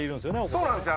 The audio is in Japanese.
そうなんですよ